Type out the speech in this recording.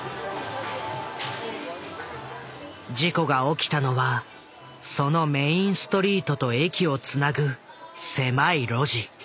事故が起きたのはそのメインストリートと駅をつなぐ狭い路地。